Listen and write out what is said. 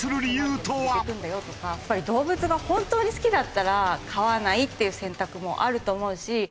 やっぱり動物が本当に好きだったら飼わないっていう選択もあると思うし。